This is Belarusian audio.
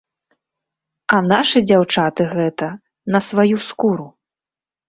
А нашы дзяўчаты гэта на сваю скуру!